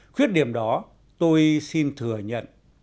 khuyết điểm đó tôi xin thừa nhận